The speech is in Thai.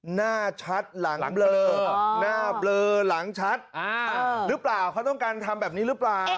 หน้าชัดหลังเบรอ